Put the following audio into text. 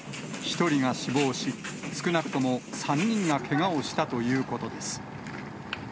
１人が死亡し、少なくとも３人がけがをしたということです。